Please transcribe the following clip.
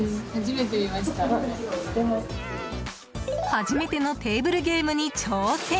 初めてのテーブルゲームに挑戦。